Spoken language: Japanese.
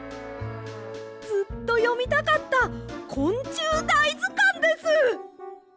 ずっとよみたかった「こんちゅうだいずかん」です！